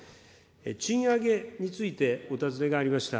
賃上げについてお尋ねがありました。